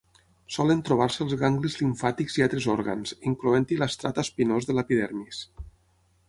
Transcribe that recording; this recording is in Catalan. Solen trobar-se als ganglis limfàtics i altres òrgans, incloent-hi l'estrat espinós de l'epidermis.